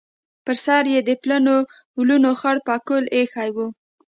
پر سر یې د پلنو ولونو خړ پکول ایښی و.